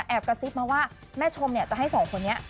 กระซิบมาว่าแม่ชมจะให้สองคนนี้